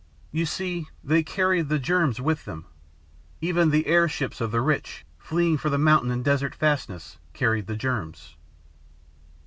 You see, they carried the germs with them. Even the airships of the rich, fleeing for mountain and desert fastnesses, carried the germs.